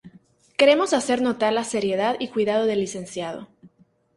Queremos hacer notar la seriedad y cuidado del Lic.